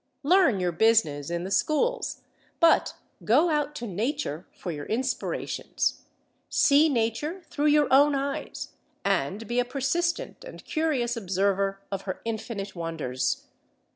Learn your business in the schools, but go out to Nature for your inspirations. See Nature through your own eyes, and be a persistent and curious observer of her infinite wonders.